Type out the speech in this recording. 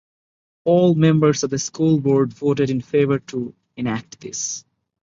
All members of the school board voted in favor to enact this.